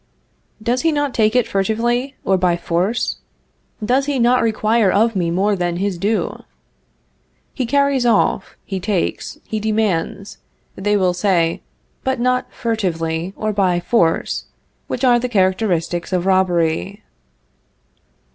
Does he not take it furtively, or by force? Does he not require of me more than his due? He carries off, he takes, he demands, they will say, but not furtively or by force, which are the characteristics of robbery.